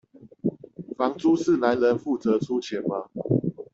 房租是男人負責出錢嗎？